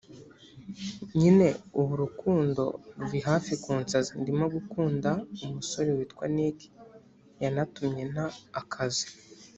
nyine ubu urukundo ruri hafi kunsaza ndimo gukunda umusore witwa Nick yanatumye nta akazi